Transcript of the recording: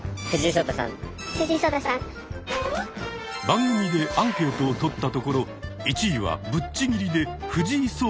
番組でアンケートをとったところ１位はぶっちぎりで藤井聡太七段。